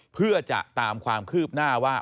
เพื่อจะตามความคืบหน้าว่า